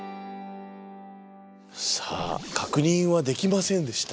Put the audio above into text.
さあ確認はできませんでした。